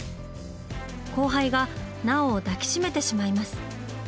後輩が奈緒を抱きしめてしまいます。